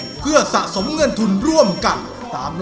นี่คือมพี่เบิร์ดคุณแปด